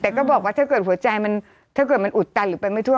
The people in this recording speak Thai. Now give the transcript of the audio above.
แต่ก็บอกว่าถ้าเกิดหัวใจมันถ้าเกิดมันอุดตันหรือไปไม่ทั่ว